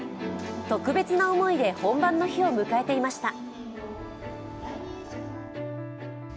特別な思いで本番の日を迎えていました。